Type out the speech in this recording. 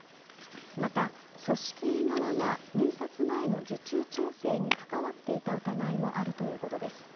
また、組織委側が入札前の受注調整に関わっていた疑いもあるということです。